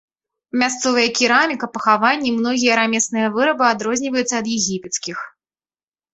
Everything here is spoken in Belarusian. Мясцовыя кераміка, пахаванні, многія рамесныя вырабы адрозніваюцца ад егіпецкіх.